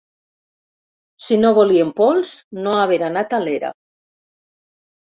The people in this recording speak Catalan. Si no volien pols, no haver anat a l'era.